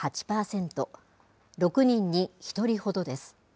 ６人に１人ほどです。